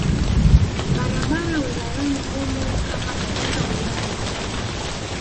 Barabara wilayani humo kama katika wilaya nyingine